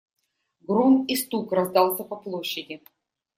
Гром и стук раздался по площади.